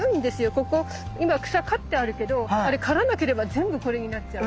ここ今草刈ってあるけどあれ刈らなければ全部これになっちゃう。